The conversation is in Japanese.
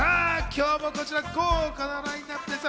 今日もこちら、豪華なラインナップです。